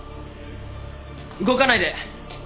動かないで！